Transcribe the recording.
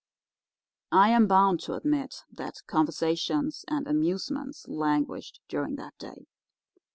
"I am bound to admit that conversations and amusements languished during that day.